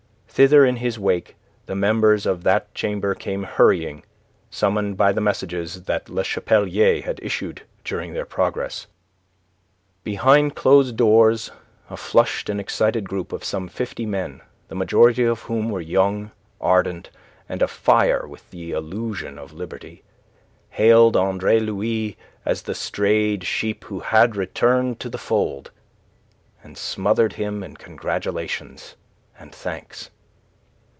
Thither in his wake the members of that chamber came hurrying, summoned by the messages that Le Chapelier had issued during their progress. Behind closed doors a flushed and excited group of some fifty men, the majority of whom were young, ardent, and afire with the illusion of liberty, hailed Andre Louis as the strayed sheep who had returned to the fold, and smothered him in congratulations and thanks.